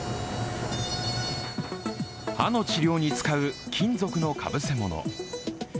歯の治療に使う金属のかぶせもの。